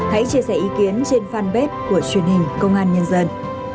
hãy chia sẻ ý kiến trên fanpage của truyền hình công an nhân dân